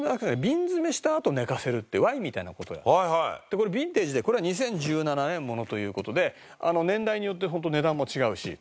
これビンテージでこれは２０１７年物という事で年代によってホント値段も違うし。